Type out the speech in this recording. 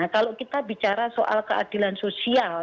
kalau kita bicara soal keadilan sosial